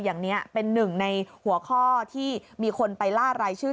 อย่างนี้เป็นหนึ่งในหัวข้อที่มีคนไปล่ารายชื่อ